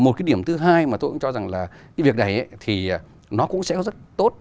một cái điểm thứ hai mà tôi cũng cho rằng là cái việc này thì nó cũng sẽ rất tốt